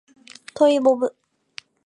トイボブ